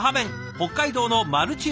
北海道のマルチヨさん。